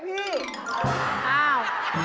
อ้าว